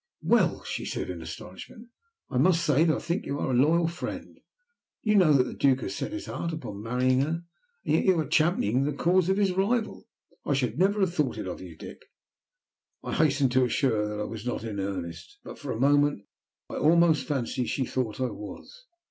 "Well," she said in astonishment, "I must say that I think you are a loyal friend. You know that the Duke has set his heart on marrying her, and yet you are championing the cause of his rival. I should never have thought it of you, Dick." I hastened to assure her that I was not in earnest, but for a moment I almost fancy she thought I was.